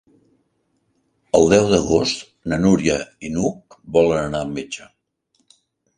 El deu d'agost na Núria i n'Hug volen anar al metge.